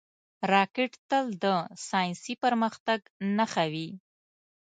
راکټ تل د ساینسي پرمختګ نښه وي